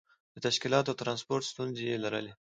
د تشکیلاتو او ترانسپورت ستونزې یې لرلې.